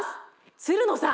つるのさん。